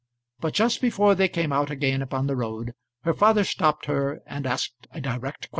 But just before they came out again upon the road, her father stopped her and asked a direct question.